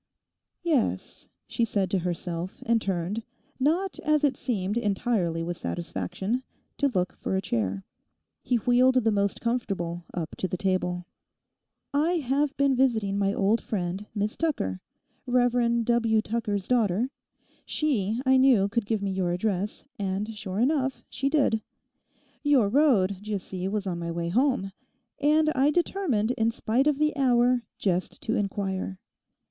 'Yes,' she said to herself, and turned, not as it seemed entirely with satisfaction, to look for a chair. He wheeled the most comfortable up to the table. 'I have been visiting my old friend Miss Tucker—Rev W. Tucker's daughter—she, I knew, could give me your address; and sure enough she did. Your road, d'ye see, was on my way home. And I determined, in spite of the hour, just to inquire.